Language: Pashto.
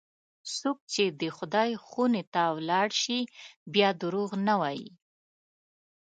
څوک چې د خدای خونې ته ولاړ شي، بیا دروغ نه وایي.